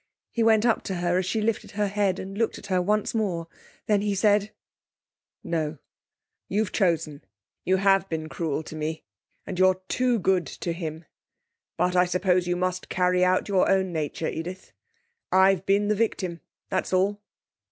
He went up to her, as she lifted her head, and looked at her once more. Then he said: 'No, you've chosen. You have been cruel to me, and you're too good to him. But I suppose you must carry out your own nature, Edith. I've been the victim. That's all.'